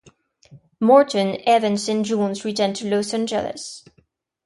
Morton, Evans and Jones return to Los Angeles.